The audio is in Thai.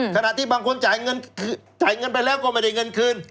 ขณะที่บางคนจ่ายเงินไปแล้วก็ไม่ได้เงินคืน